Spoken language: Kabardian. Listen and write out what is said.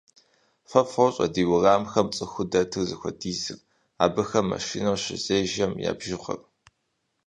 Фэ фощӀэ ди уэрамхэм цӀыхуу дэтыр зыхуэдизыр, абыхэм машинэу щызежэм я бжыгъэр.